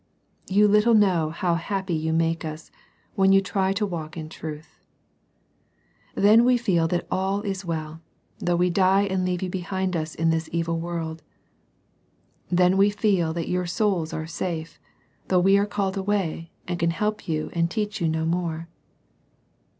You little know how happy you make us, when you try to walk in truth. Then we feel that all is well, though we die and leave you behind us in this evil world. Then we feel that your souls are safe, though we are called away, and can help you and teach you no more.